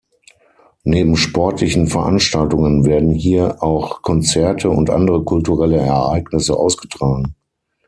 Neben sportlichen Veranstaltungen werden hier auch Konzerte und andere kulturelle Ereignisse ausgetragen.